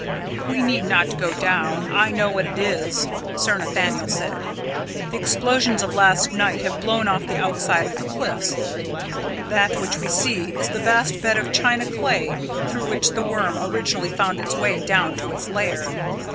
"We need not go down; I know what it is," Sir Nathaniel said. "The explosions of last night have blown off the outside of the cliffs that which we see is the vast bed of china clay through which the Worm originally found its way down to its lair.